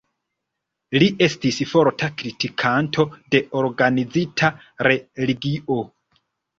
Li estis forta kritikanto de organizita religio.